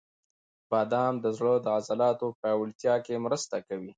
• بادام د زړه د عضلاتو پیاوړتیا کې مرسته کوي.